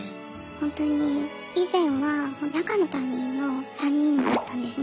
ほんとに以前は赤の他人の３人だったんですね。